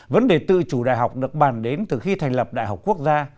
vấn đề tự chủ đại học được bàn đến từ khi thành lập đại học quốc gia